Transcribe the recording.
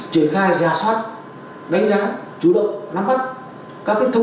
chúng tôi đã xây dựng kế hoạch báo cáo các đảng phương